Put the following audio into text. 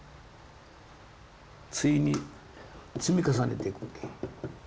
ついに積み重ねていくわけよ。